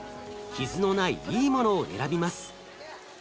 傷のないいいものを選びます。